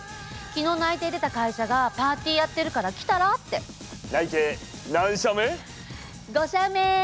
昨日内定出た会社が「パーティーやってるから来たら」って。内定何社目？